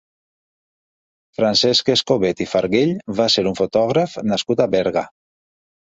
Francesc Escobet i Farguell va ser un fotògraf nascut a Berga.